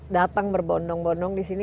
datang berbondong bondong disini